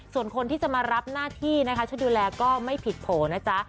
ส่วนคนที่จะมารับหน้าที่นะคะชุดดูแลก็ไม่ผิดโผล่นะจ๊ะ